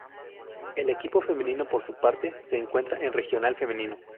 El equipo femenino, por su parte, se encuentra en Regional Femenino.